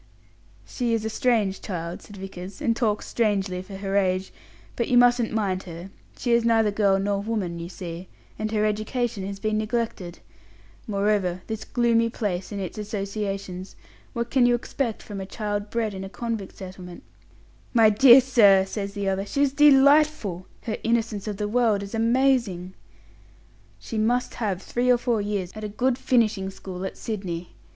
"She is a strange child," said Vickers, "and talks strangely for her age; but you mustn't mind her. She is neither girl nor woman, you see; and her education has been neglected. Moreover, this gloomy place and its associations what can you expect from a child bred in a convict settlement?" "My dear sir," says the other, "she's delightful! Her innocence of the world is amazing!" "She must have three or four years at a good finishing school at Sydney.